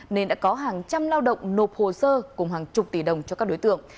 nên đã có hàng trăm lao động nộp hồ sơ cùng hàng chục tỷ đồng cho các đối tượng